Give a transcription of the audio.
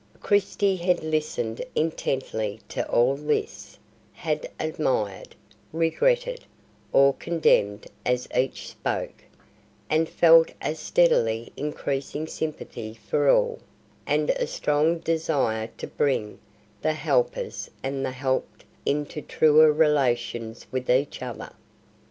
Christie had listened intently to all this; had admired, regretted, or condemned as each spoke; and felt a steadily increasing sympathy for all, and a strong desire to bring the helpers and the helped into truer relations with each other.